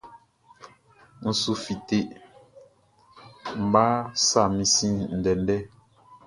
N su fite, Nʼma sa min sin ndɛndɛ.